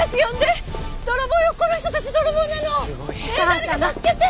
誰か助けて！